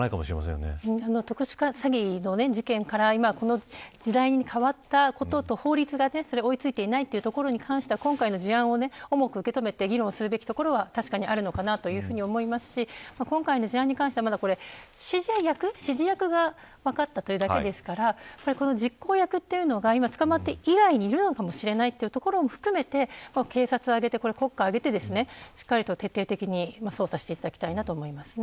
特殊詐欺の事件から今、この時代に変わったことと法律が追い付いていないというところに関しては今回の事案を重く受け止めて議論するべきところは確かにあるのかと思いますし今回の事案に関してはまだ指示役が分かったというだけですからこの実行役というのが今、捕まった以外にいるのかもしれないとことも含めて警察や国家を挙げてしっかりと徹底的に捜査していただきたいと思いますね。